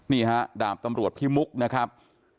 นี่นะฮะดาบตรรวจพี่มุกนะครับ